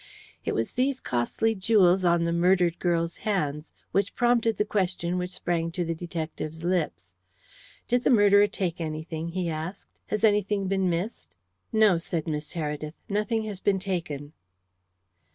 It was these costly jewels on the murdered girl's hands which prompted the question which sprang to the detective's lips: "Did the murderer take anything?" he asked. "Has anything been missed?" "No," said Miss Heredith. "Nothing has been taken."